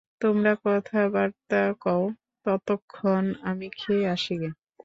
তোমরা কথাবার্তা কও, ততক্ষণ আমি খেয়ে আসি গে।